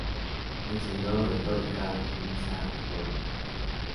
Enseñó retórica en Nisa y Rodas.